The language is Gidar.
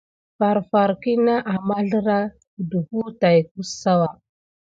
Far far ki ne àmanzləra gəɗefùt tät kusoza.